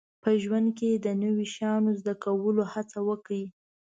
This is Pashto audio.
په ژوند کې د نوي شیانو زده کولو هڅې وکړئ